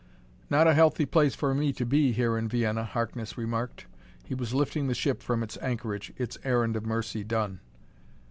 "Not a healthy place for me, here in Vienna," Harkness remarked. He was lifting the ship from its anchorage, its errand of mercy done.